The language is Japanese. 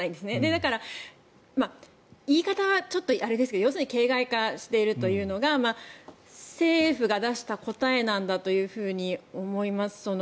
だから、言い方はちょっとあれですけど要するに形骸化しているというのが政府が出した答えなんだと思います。